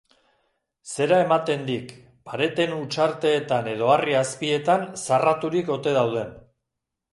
Zera ematen dik, pareten hutsarteetan edo harri azpietan zarraturik ote dauden.